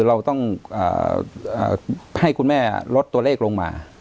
เราต้องให้คุณแม่ลดตัวเลขลงมา